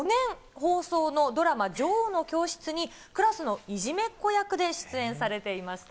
放送のドラマ、女王の教室に、クラスのいじめっ子役で出演されていました。